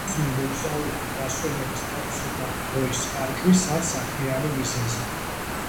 ტურიზმი-მოგზაურობ დასვენების თავისუფალი დროის ხარჯვის ან საქმიანი მიზებით